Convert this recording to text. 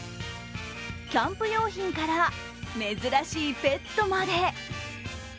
キャンプ用品から珍しいペットまで。